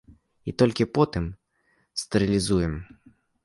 І толькі потым стэрылізуем.